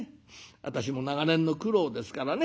私も長年の苦労ですからね。